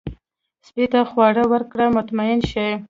سپي ته خواړه ورکړه، مطمئن شي.